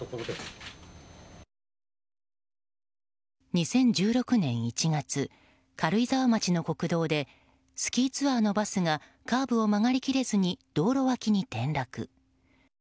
２０１６年１月軽井沢町の国道でスキーツアーのバスがカーブを曲がり切れずに道路脇に転落。